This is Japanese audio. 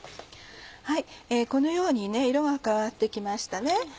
このように色が変わって来ました。